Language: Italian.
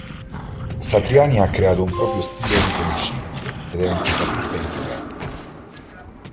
Satriani ha creato un proprio stile riconoscibile ed è un chitarrista influente.